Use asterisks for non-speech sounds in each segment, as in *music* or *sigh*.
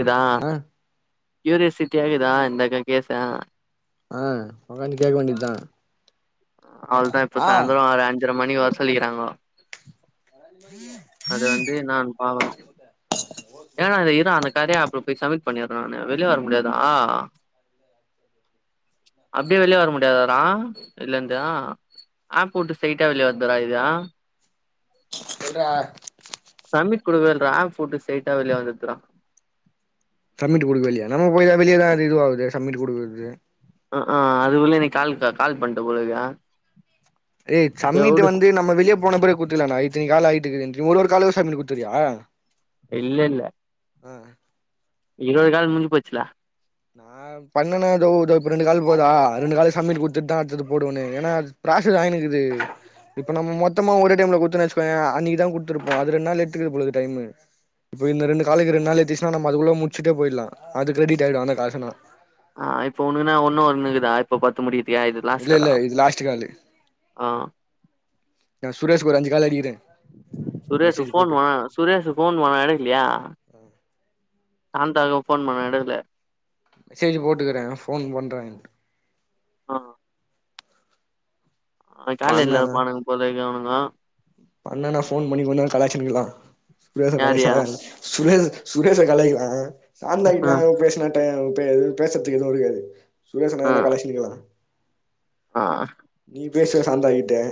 இதா ஆ கியூரியாசிட்டி ஆகுதா இந்தங்க கேச ஆ ஒக்காந்து கேக்க வேண்டிதா அவளதா இப்ப சாயந்தரோ ஒரு அஞ்சரை மணிக்கு வர சொல்லிகிறாங்கோ உம் இங்க வந்து நானு பாக்கணு ஏன்னா இந்த இர்ரா அந்த கதைய அப்பறோ போய் சப்மிட் பண்ணிர்றே நானு வெளிய வர முடியாதா அப்டியே வெளிய வர முடியாதாட இதுல இருந்து ஆப்ப வுட்டு ஸ்ட்ரைட்டா வெளிய வந்துரு இது செல்றா சப்மிட் குடுக்கவே இல்லறா ஆப் வுட்டு ஸ்ட்ரைட்டா வெளிய வந்துர்துறா சப்மிட் குடுக்கவே இல்லையா நம்ம போய் அது வெளிய தா அது இது ஆவுது சம்மிட் குடுக்குறது ஆ ஆ அது உள்ள நீ கால் கால் பண்ணிட்ட போல இருக்குடா ஏய் சப்மிட் வந்து நம்ம வெளிய போன பெறகு குடுத்துக்கலான்டா இத்தினி கால் ஆயிட்டுக்குதுண்ட்டு நீ ஒரு ஒரு காலுக்கு சப்மிட் குடுத்துகுறியா இல்ல இல்ல ஆ இருவது கால் முடிஞ்சி போச்சிடா நா பண்ண ஒண்ண ஏதோ இதோ இப்ப ரெண்டு கால் போதா ரெண்டு கால சம்மிட் குடுதுட்டு தா அடுத்தது போடுவேனே ஏன்னா அது ப்ராசஸ் ஆய்னு இக்குது இப்ப நம்ம மொத்தமா ஒரே டைம்ல குடுத்தோன்னு வெச்சுக்கோயே அன்னைக்குதா குடுத்துருப்போ அது ரெண்டு நாள் எடுத்துக்குது போலது டைம் இப்போ இந்த ரெண்டு காலுக்குக்கு ரெண்டு நாள் எடுத்ச்சின்னா நம்ம அதுக்குள்ள முடிச்சிட்டே போயிடலா அது கிரெடிட் ஆயிடு அந்த காசனா ஆ இப்ப ஒனக்குனா ஒன்னு ஒன்னுகுதா இப்ப பத்து முடிகிறத் ஏ இது இல்ல லாஸ்சேரா இல்ல இது லாஸ்ட் காலு ஆ ஏ சுரேஷ்க்கு ஒரு அஞ்சி கால் அடிகிறே சுரேஷ்க்கு ஃபோன் வ சுரேஷ்க்கு ஃபோன் பண்ணா எடுக்லையா சாந்தாக்கா ஃபோன் பண்ணே எடுக்கல மெசேஜ் போட்டுக்கிறே ஃபோன் பண்றே ஆ ஆ காலேஜ்ல இருப்பானுங்க போல இருக்கு அவனுங்க பண்ணுனா ஃபோன் பண்ணி இவ்ளோ நேரோ கலாச்சின்னு இருக்கிறா சுரேஷ கலாய்ச்சா யாருயா சுரேஷ் சுரேஷ கலாய்க்கலா ஆ சாந்தாக்காட்டலா பேசுனா பே பே பேசறதுக்கு எதுவு இருக்காது சுரேஷ ஆ நல்லா கலாச்சிட்டு இருக்கலா ஆ நீ பேசுறா சாந்தா கிட்ட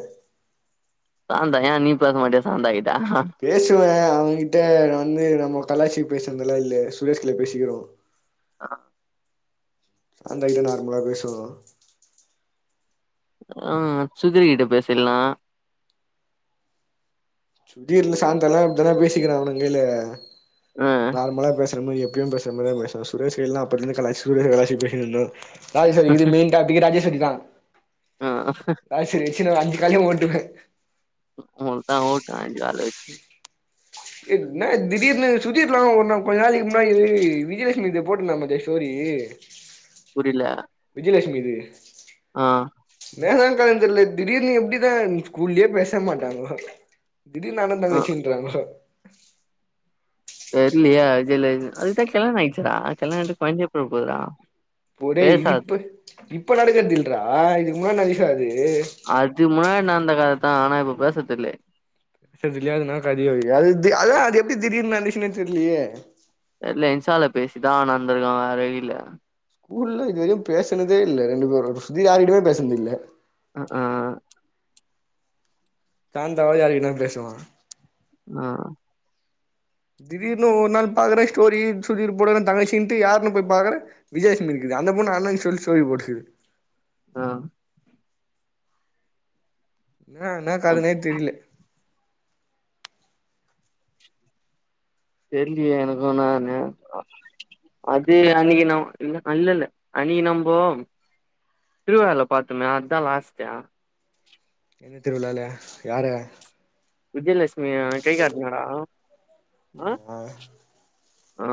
சாந்தா ஏ நீ பேச மாட்டியா சாந்த கிட்டா பேசுவே அவகிட்ட வந்து நம்ம கலாச்சி பேசுனதெல்லா இல்ல சுரேஷ்ல பேசிக்கிறோ அத அந்த *unintelligible* நார்மலா பேசுவோ ஆ சுதிர் கிட்ட பேசில்லா திடீர்னு சாந்தான இப்டித்தானே பேசிக்கிறா அவனுக கையில ஆ நார்மலா பேச இந்தமாரி எப்புயு பேசற மாரி தா பேசற சுரேஷ் கைல எல்லா அப்டி இருந்து கலாய்ச்சு *unintelligible* இது மெயின் அக்கா பி ராஜேஸ்வரிதா ஆ ராஜேஸ்வரி வச்சு ஒரு அஞ்சு கால்லையு ஓட்டுவே ஓட்டுன்னா ஓட்டு அஞ்சு கால வச்சு ஏ என்ன திடீர்னு சுதீப்லா ஒரு நா கொஞ்ச நாளைக்கி முன்னாடி விஜயலட்சுமி இத போட்டுருந்தா பாத்தியா ஸ்டோரி புரில விஜயலட்சுமி இது ஆ மேக கலஞ்சர்ல திடீர்னு எப்டி தா ஸ்கூல்லயே பேச மாட்டாங்கோ திடீர்னு அண்ண ஆ தங்கச்சின்றாங்கோ தெர்லயே விஜயலட் அதுக்குதா கல்யாண ஆயிடுச்சேடா கல்யாண ஆயிட்டு கொழந்தையே பொறக்கபோதுடா போ டேய் இது இப்ப இப்ப நடக்கதில்றா இதுக்கு முன்னா நடந்ததுடா இது அதுக முன்னாடி நடந்த கததா ஆனா இப்ப பேசதில்லையே செரி இல்லயா *unintelligible* அது அதா அது எப்டி திடீர்னு நடந்துச்சுன்னே தெர்லியே தெர்ல இன்ஸ்டால பேசிதா ஆனா இருந்திருக்காங்க *unintelligible* இல்ல ஸ்கூல்லல இதுவரையு பேசுனதே இல்ல ரெண்டு பேரு இது யாரிக்கிட்டமே பேசினது இல்ல அ ஆ காந்தாவா யார்க்கிட்னா பேசுவா அ திடீர்னு ஒரு நாள் பாக்குறே ஸ்டோரி ன் சுதீர் போடுறே தங்கச்சின்ட்டு யாருன்னு போய் பாக்குறே விஜயலட்சுமி இருக்குது அந்த பெண்ணு அண்ணே சொல்லி ஸ்டோரி போட்டுக்குது ஆ என்ன என்ன அது கதனே தெரில தெர்லியே எனக்கு என்னானு அப்டியே அன்னைக்கி நம் இல்ல இல்ல அன்னைக்கி நம்போ திருவிழால பாத்தமே அத லாஸ்ட்டு எந்த திருவிழால யார விஜயலட்சுமி எனக்கு கை காட்னாடா ஆ நா ஆ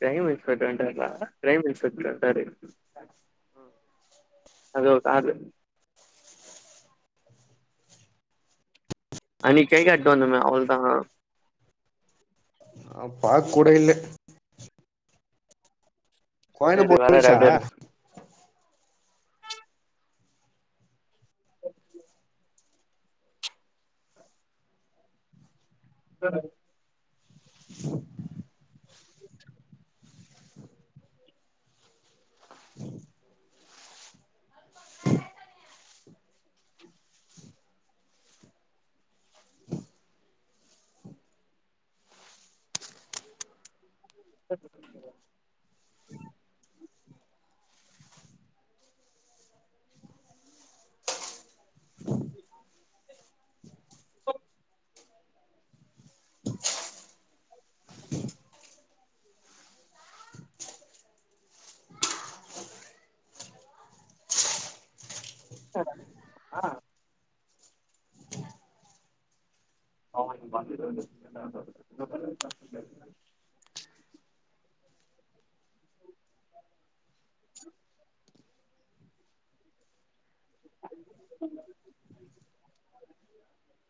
கிரைம் இன்ஸ்பெட்ர் வன்ராருடா கிரைம் இன்ஸ்பெட்ர் வன்ராரு அது ஒரு *unintelligible* அன்னைக்கி கை காட்டிட்டு வந்தோமே அவள்தானா நா பாக் கூட இல்ல எ கோயில இது வர போச்சா ரடாடு *unintelligible* உ *inaudible* *inaudible* உம் *unintelligible* *inaudible* உ போகு ஆ *inaudible* *inaudible*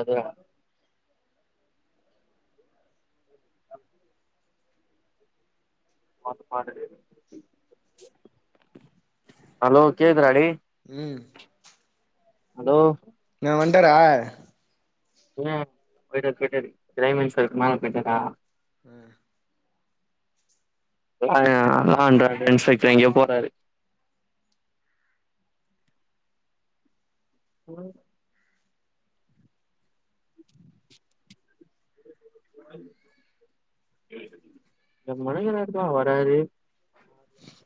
அது ஹலோ கேக்குதா டி ம் ஹலோ ன்னா வந்ட்டாரா பிரவீனே போயிட்டாரு போயிட்டாரு பிரைம் மினிஸ்டர் மேல போய்ட்டாரா ம் லா ஆ லா அண்ட் ஆர்டர் இன்ஸ்பெக்டர் எங்கயோ போறாரு ப்ரோ இப்ப மணி என்ன இருக்கும் வர்றாரு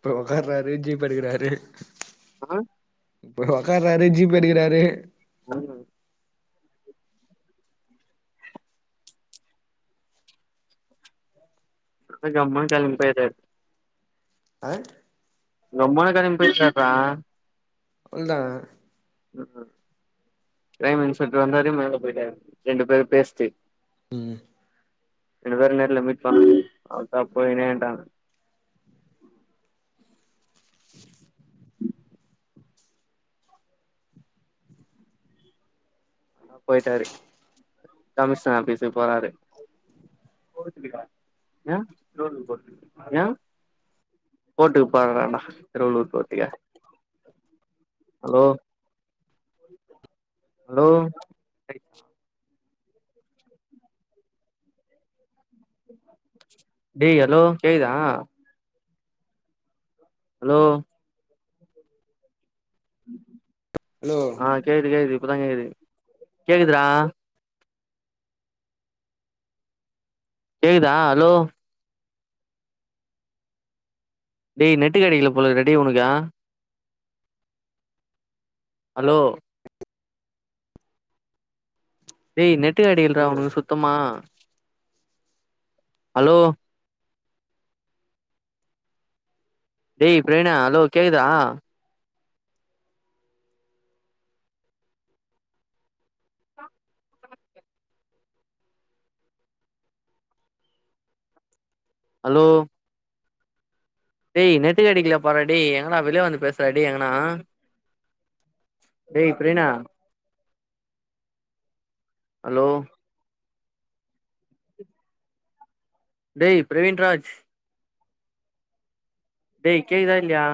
போய் ஒக்காராரு ஜீப் எடுக்றாரு ம் ம் இப்ப ஒக்காராரு ஜீப் எடுக்குறாரு ம் போய் ஜம்முன் கெளம்பிட்டாரு அர் அ கம்முன்னு கெளம்பி போயிட்டார்றா இல்ல பிரைம் மினிஸ்டர் இப்டி வந்தாரு மேல போயிட்டாரு ரெண்டு பேரும் பேஸ்த்துக் ம் ம் ரெண்டு பேரும் நேர்ல மீட் பண்ல அல்க்கா போயின்னேன்ட்டாங்க *inaudible* *inaudible* போயிட்டாரு கமிஷ்னர் ஆபீஸ்ஸுக் போறாரு ம் ஹலோ கோர்ட்டுக்கு போராறாம் டா திருவள்ளூர் கோர்ட்டுக்கு ஹலோ ஹலோ *inaudible* *inaudible* டேய் ஹலோ கேக்குதா ஹலோ ம் ம் ஹலோ ஆ கேக்து கேக்து இப்ப தா கேக்து கேக்து டா கேக்குதா ஹலோ டேய் நெட்டு கெடைக்கல போலருக்டா டேய் உனக்கு ஹலோ டேய் நெட்டு கெடைக்கல்ரா ஹலோ உனக்கு சுத்தமா ஹலோ டேய் பிரவீனே ஹலோ கேக்குதா *unintelligible* *unintelligible* ஹலோ டேய் நெட்டு கெடைக்கல பார்றா டேய் எங்கடா வெளிய வந்து பேசுறா டி எங்கனா டேய் பிரவீனா ஹலோ டேய் பிரவீன்ராஜ் டேய் கேக்குதா இல்லையா